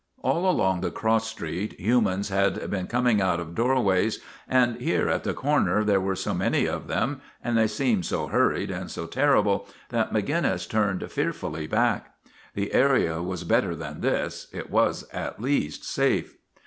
All along the cross street humans had been coming out of doorways and here at the corner there were so many of them, and they seemed so hurried and so terrible, that Maginnis turned fearfully back. The 68 MAGINNIS area was better than this; it was at least safe.